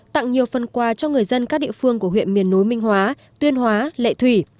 tặng nhiều phần quà cho người dân các địa phương của huyện miền núi minh hóa tuyên hóa lệ thủy